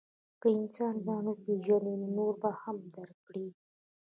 که انسان ځان وپېژني، نو نور به هم درک کړي.